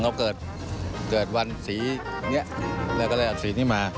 เราเกิดวันสีนี้แล้วก็แรกเอาสีนี้มา